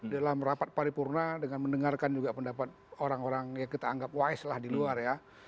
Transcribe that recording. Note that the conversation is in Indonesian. dalam rapat paripurna dengan mendengarkan juga pendapat orang orang yang kita anggap wise lah di luar ya